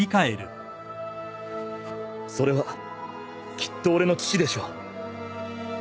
それはきっと俺の父でしょう。